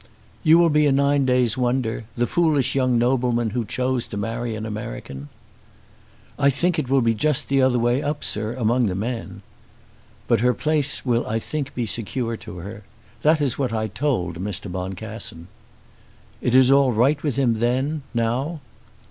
"You will be a nine days' wonder, the foolish young nobleman who chose to marry an American." "I think it will be just the other way up, sir, among the men." "But her place will I think be secure to her. That is what I told Mr. Boncassen." "It is all right with him then, now?"